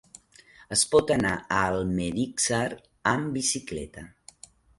Es pot anar a Almedíxer amb bicicleta?